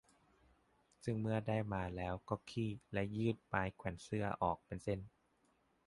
ซึ่งเมื่อได้มาแล้วก็ให้คลี่และยืดไม้แขวนเสื้อออกเป็นเส้น